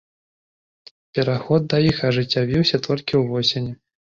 Пераход да іх ажыццявіўся толькі ў восені.